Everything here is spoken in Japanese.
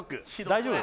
大丈夫